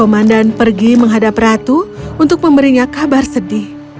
komandan pergi menghadap ratu untuk memberinya kabar sedih